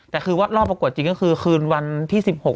แต่คือว่ารอบประกวดจริงก็คือคืนวันที่๑๖